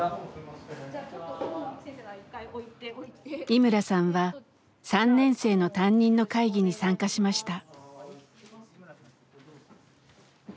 井村さんは３年生の担任の会議に参加しました。